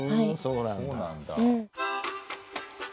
そうなんだ。